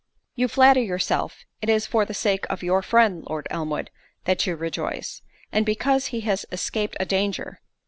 You flatter yourself it is for the sake of your friend, Lord Elmwood, that you rejoice, and because he has escaped a danger.